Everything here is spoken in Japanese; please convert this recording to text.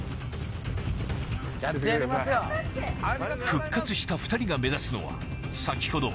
復活した２人が目指すのは先ほど